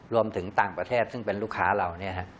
รวมถึงต่างประเทศซึ่งเป็นลูกค้าเรา